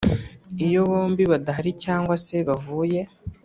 Iyo bombi badahari cyangwa se bavuye